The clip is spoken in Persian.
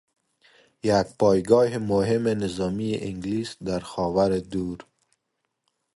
یک پایگاه مهم نظامی انگلیس در خاور دور